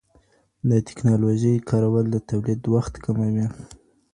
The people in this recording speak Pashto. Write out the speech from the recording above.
د تکنالوژۍ کارول د توليد وخت کموي.